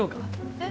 えっ。